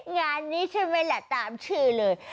งานนี้ใช่ไหมล่ะตามชื่อเลย